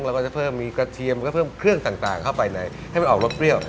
เราก็จะเพิ่มมีกระเทียมแล้วก็เพิ่มเครื่องต่างเข้าไปในให้มันออกรสเปรี้ยว